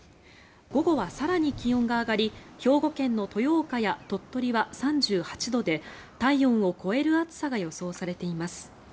午後は更に気温が上がり兵庫県の豊岡や鳥取は３８度で体温を超える暑さが予想されています。